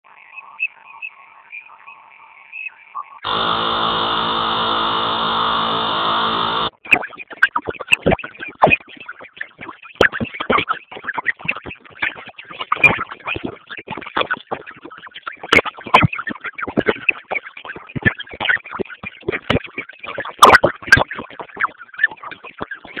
Katika Operesheni hiyo, Afrika kusini ilikuwa ikitoa habari za ujasusi huku wanajeshi wa Tanzania wakitumia roketi dhidi ya waasi hao.